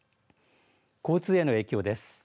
交通への影響です